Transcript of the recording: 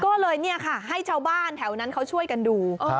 ก็เลยเนี่ยค่ะให้ชาวบ้านแถวนั้นเขาช่วยกันดู